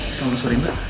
selamat sore mbak